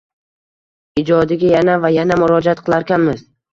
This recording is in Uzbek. Ijodiga yana va yana murojaat qilarkanmiz.